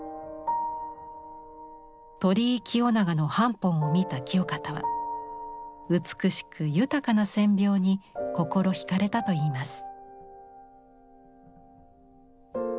鳥居清長の版本を見た清方は美しく豊かな線描に心惹かれたと言います。